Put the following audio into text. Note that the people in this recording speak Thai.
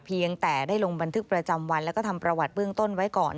เพียงแต่ได้ลงบันทึกประจำวันแล้วก็ทำประวัติเบื้องต้นไว้ก่อน